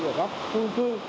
ở các khu cư